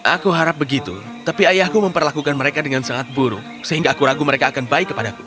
aku harap begitu tapi ayahku memperlakukan mereka dengan sangat buruk sehingga aku ragu mereka akan baik kepadaku